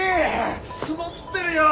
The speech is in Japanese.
積もってるよ。